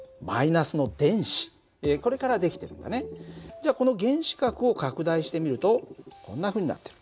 じゃあこの原子核を拡大してみるとこんなふうになってる。